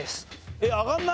えっ上がんない？